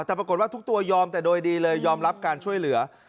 แต่ปรากฏว่าทุกตัวยอมแต่โดยดีเลยยอมรับการช่วยเหลือ